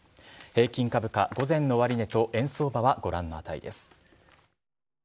平均株価午前の終値と円相場はご覧のとおりです。